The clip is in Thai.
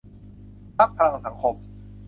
พรรคพลังสังคม